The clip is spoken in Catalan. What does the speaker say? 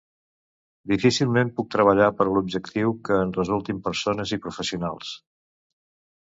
Difícilment puc treballar per a l’objectiu que en resultin persones i professionals.